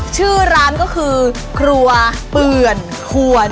ชื่อร้านก็คือครัวเปื่อนควร